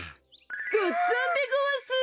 ごっつぁんでごわす。